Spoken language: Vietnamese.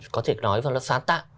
có thể nói là sáng tạo